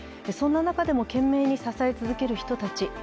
そんな中でも懸命に支え続ける人たち。